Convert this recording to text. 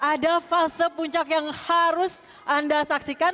ada fase puncak yang harus anda saksikan